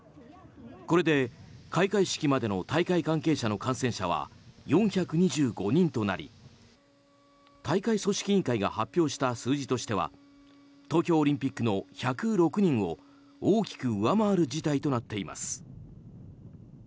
これで開会式までの大会関係者の感染者は４２５人となり大会組織委員会が発表した数字としては東京オリンピックの１０６人を大きく上回る事態となっています。